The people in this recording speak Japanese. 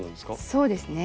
そうですね。